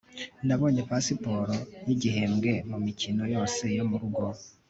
nabonye pasiporo yigihembwe mumikino yose yo murugo